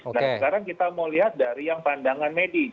nah sekarang kita mau lihat dari yang pandangan medis